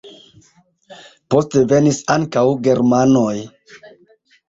Poste venis ankaŭ germanoj.